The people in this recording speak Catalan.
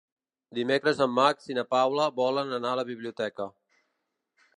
Dimecres en Max i na Paula volen anar a la biblioteca.